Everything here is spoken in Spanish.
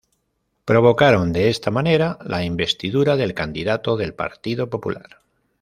Provocaron de esta manera la investidura del candidato del Partido Popular.